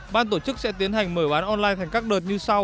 ban tổ chức sẽ tiến hành mở bán online thành các đợt như sau